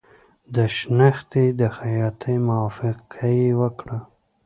د شنختې د خطاطۍ موافقه یې وکړه.